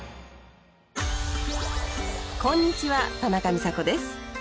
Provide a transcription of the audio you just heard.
こんにちは田中美佐子です。